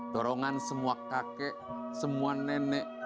dorongan semua kakek semua nenek